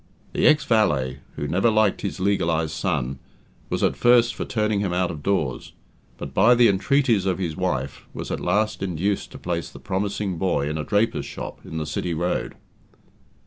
The ex valet, who never liked his legalized son, was at first for turning him out of doors, but by the entreaties of his wife, was at last induced to place the promising boy in a draper's shop, in the City Road.